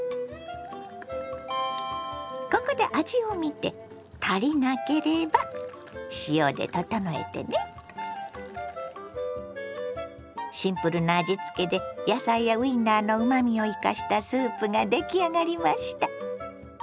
ここでシンプルな味付けで野菜やウインナーのうまみを生かしたスープが出来上がりました。